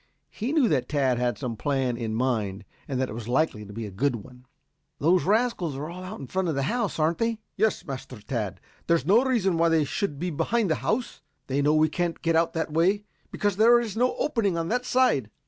He knew that Tad had some plan in mind and that it was likely to be a good one. "The rascals are all out in front of the house, aren't they?" "Yes, Master Tad. There's no reason why they should be behind the house. They know we can't get out that way; because there is no opening on that side."